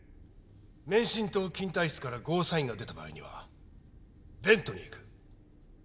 免震棟緊対室からゴーサインが出た場合にはベントに行く。